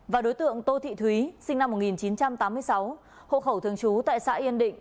và đối tượng tô thị thúy sinh năm một nghìn chín trăm tám mươi sáu hộ khẩu thường trú tại xã yên định